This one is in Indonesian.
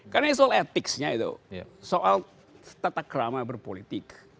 karena soal etiknya itu soal tetap kerama berpolitik